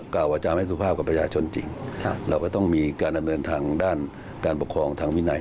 กล่าววจาไม่ถูกภาพกับประชาชนจริงครับเราก็ต้องมีการอเมืองทางด้านการปกครองทางวินัย